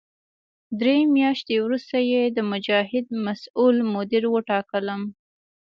درې میاشتې وروسته یې د مجاهد مسوول مدیر وټاکلم.